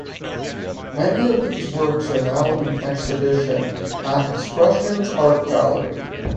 Many of these works are now in exhibition at Expressions Art Gallery.